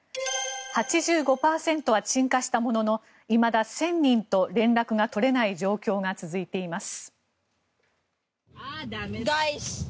８５％は鎮火したもののいまだ１０００人と連絡が取れない状況が続いています。